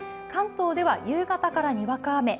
関東では夕方からにわか雨。